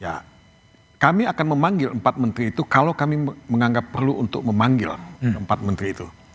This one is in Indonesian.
ya kami akan memanggil empat menteri itu kalau kami menganggap perlu untuk memanggil empat menteri itu